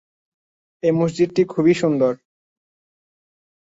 এই মসজিদটি খুব সুন্দর।